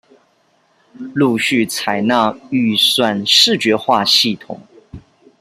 陸續採納預算視覺化系統